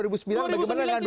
bagaimana dengan dua ribu empat